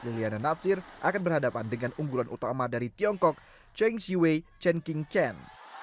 liliana natsir akan berhadapan dengan unggulan utama dari tiongkok cheng xiwei chen king can